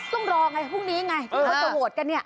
ก็ต้องรอไงพรุ่งนี้ไงพวกเราจะโหดกันเนี่ย